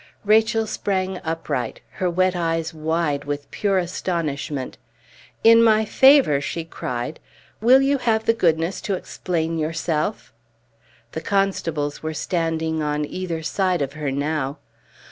Rachel sprang upright, her wet eyes wide with pure astonishment. "In my favor?" she cried. "Will you have the goodness to explain yourself?" The constables were standing on either side of her now.